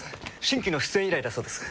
新規の出演依頼だそうです。